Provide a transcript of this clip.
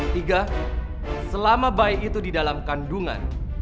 tiga selama bayi itu di dalam kandungan